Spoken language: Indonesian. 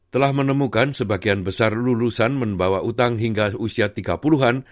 telah menemukan sebagian besar lulusan membawa utang hingga usia tiga puluh an